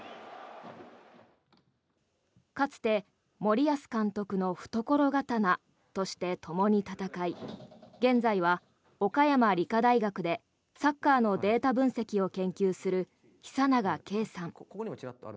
かつて森保監督の懐刀としてともに戦い現在は岡山理科大学でサッカーのデータ分析を研究する久永啓さん。